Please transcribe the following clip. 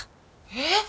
えっ！？